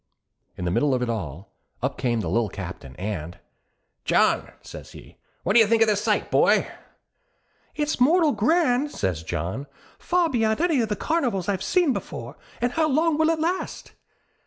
In the middle of it all, up came the Lil Captain and 'John,' says he. 'What do you think of this sight, boy?' 'It's mortal grand,' says John. 'Far before any of the carnivals I've seen before; an' how long will it last?'